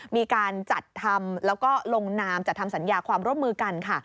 มีการจัดทำแล้วก็ลงนามจัดทำสัญญาความร่วมมือกันค่ะ